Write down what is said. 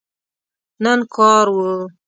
نن کار کوو